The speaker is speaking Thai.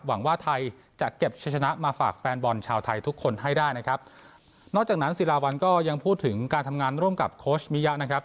หวังว่าไทยจะเก็บชะชนะมาฝากแฟนบอลชาวไทยทุกคนให้ได้นะครับนอกจากนั้นศิลาวันก็ยังพูดถึงการทำงานร่วมกับโค้ชมิยะนะครับ